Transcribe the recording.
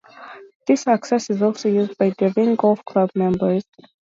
This access is also used by Delvin Golf Club members.